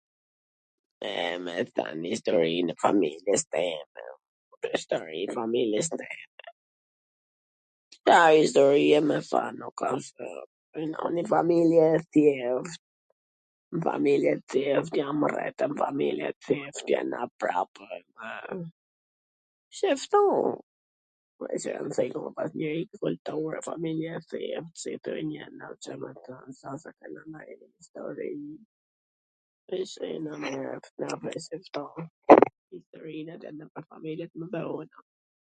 e, me than istorin e familjes teme, istori e familjes teme a istori ... nuk ashtw ... jena njw familje e thjesht, njw familje e thjesht, jam rrit nw njw familje t thjesht, po prap qeshtu...